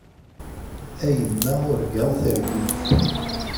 A yemma urgaɣ targit.